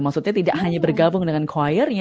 maksudnya tidak hanya bergabung dengan choir nya